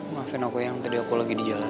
maafin aku yang tadi aku lagi di jalan